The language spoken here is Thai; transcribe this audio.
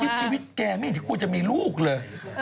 กุบกิปชีวิตแกไม่เห็นที่คือจะมีลูกเลย